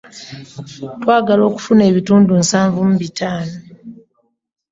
Twagala okufuna ebitundu nsanvu mu bitaano.